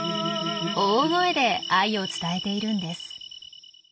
大声で愛を伝えているんです。